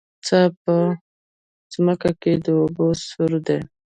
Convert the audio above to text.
څا په ځمکه کې د اوبو سوری دی